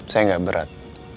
saya gak berat